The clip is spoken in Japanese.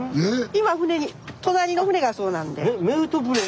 今船に隣の船がそうなんで。